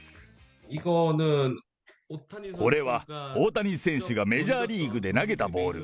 これは、大谷選手がメジャーリーグで投げたボール。